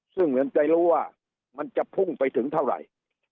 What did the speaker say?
ซึ่งเหมือนจะรู้ว่ามันจะพุ่งไปถึงเท่าไหร่